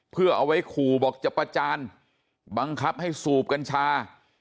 เพื่อเอาไว้ขู่บอกจะประจานบังคับให้สูบกัญชา